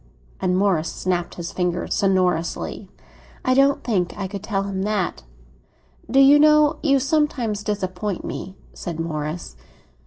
And Morris snapped his fingers sonorously. "I don't think I could tell him that." "Do you know you sometimes disappoint me?" said Morris.